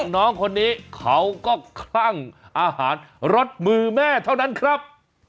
น้องคนนี้เขาก็คลั่งอาหารรสมือแม่เท่านั้นครับ